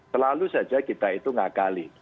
selalu saja kita itu ngakali